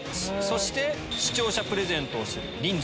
そして視聴者プレゼントをする人数。